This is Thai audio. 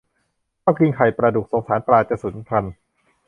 ชอบกินไข่ปลาดุก สงสารปลาจะสูญพันธุ์